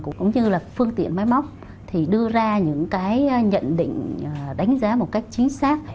cũng như phương tiện máy móc đưa ra những nhận định đánh giá một cách chính xác